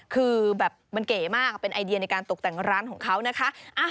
คือแบบมันเก๋มากเป็นไอเดียในการตกแต่งร้านของเขานะคะ